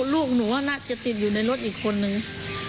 ลูกหนูน่าจะติดอยู่ในรถอีกคนนึง